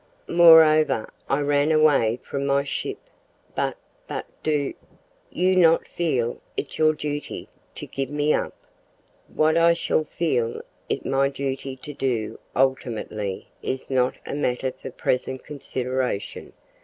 Moreover, I ran away from my ship! But but do you not feel it your duty to give me up?" "What I shall feel it my duty to do ultimately is not a matter for present consideration.